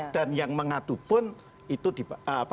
dan yang mengadu pun itu dibatasi